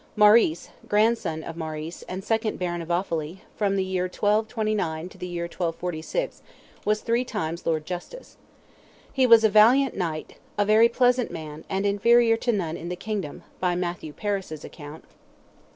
Maurice, grandson of Maurice, and second Baron of Offally, from the year 1229 to the year 1246, was three times Lord Justice. "He was a valiant Knight, a very pleasant man, and inferior to none in the kingdom," by Matthew Paris's account.